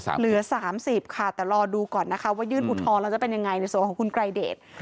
เหลือ๓๐ค่ะแต่รอดูก่อนนะคะว่ายื่นอุทธรณ์แล้วจะเป็นยังไงในส่วนของคุณไกรเดช